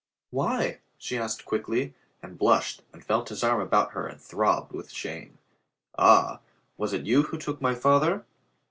"Why?" she asked quickly, and blushed and felt his arm about her and throbbed with shame. "Ah, was it you who took my father?"